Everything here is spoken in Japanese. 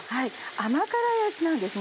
甘辛い味なんです。